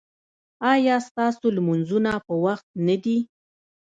ایا ستاسو لمونځونه په وخت نه دي؟